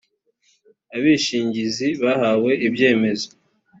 abishingizi bahawe ibyemezo